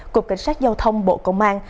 của cảnh sát giao thông bộ công an